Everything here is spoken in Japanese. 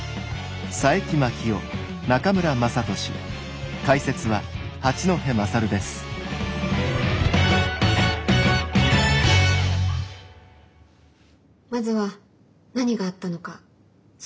まずは何があったのか全て話していただけますか？